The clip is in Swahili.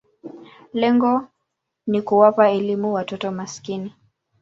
Lengo ni kuwapa elimu watoto maskini.